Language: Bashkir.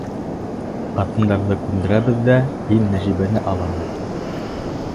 Ҡатындарҙы күндерәбеҙ ҙә, һин Нәжибәне алаһың.